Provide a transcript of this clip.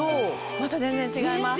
また全然違います。